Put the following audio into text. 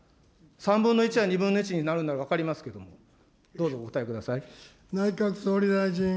３分の１や２分の１になるのなら分かりますけど、どうぞ、お答えください。